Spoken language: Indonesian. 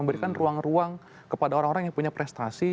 memberikan ruang ruang kepada orang orang yang punya prestasi